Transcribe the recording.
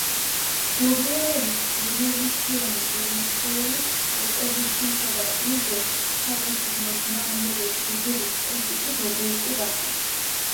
მოგვიანებით, ვენევისიონი ვენესუელის ოპოზიციისა და უგო ჩავესის მოწინააღმდეგე ჯგუფების კრიტიკის ობიექტი გახდა.